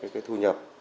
cái thu nhập